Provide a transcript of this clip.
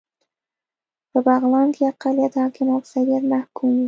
په بغلان کې اقلیت حاکم او اکثریت محکوم و